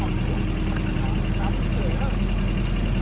มันดามได้